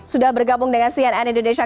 sudah bergabung dengan cnn indonesia